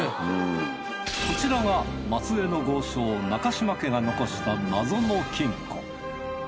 こちらが松江の豪商中島家が残した謎の金庫。